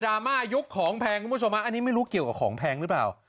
ราม่ายกของแพงคุณผู้ชมอันนี้ไม่รู้เกี่ยวกับของแพงหรือเปล่า